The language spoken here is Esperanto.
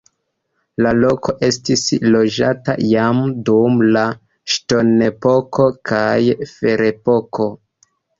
La loko estis loĝata jam dum la ŝtonepoko kaj ferepoko.